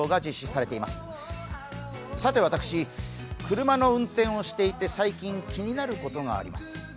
さて私、車の運転をしていて最近、気になることがあります。